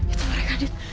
itu mereka dit